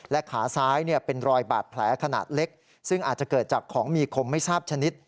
ขาซ้ายเป็นรอยบาดแผลขนาดเล็กซึ่งอาจจะเกิดจากของมีคมไม่ทราบชนิด